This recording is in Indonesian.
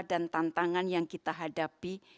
dan tantangan yang kita hadapi